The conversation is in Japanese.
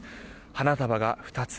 花束が２つ。